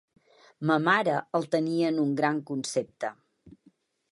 Ma mare el tenia en un gran concepte.